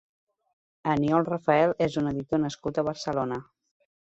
Aniol Rafel és un editor nascut a Barcelona.